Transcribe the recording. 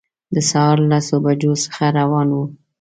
د سهار لسو بجو څخه روان وو.